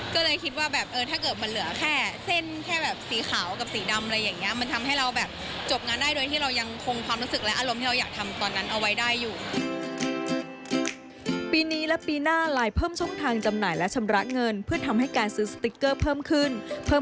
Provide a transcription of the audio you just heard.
ก็เลยคิดว่าแบบถ้าเกิดมันเหลือแค่เส้นแค่แบบสีขาวกับสีดำอะไรอย่างนี้